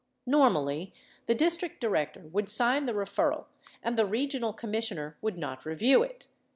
Normally, the District Director would sign the referral and the Regional Commissioner would not review it.